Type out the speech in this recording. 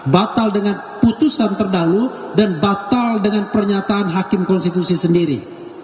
batal dengan putusan terdahulu dan batal dengan pernyataan hakim konstitusi sendiri